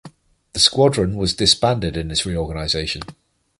The squadron was disbanded in this reorganization.